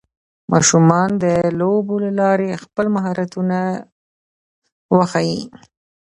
ماشومان د لوبو له لارې خپل مهارتونه وښيي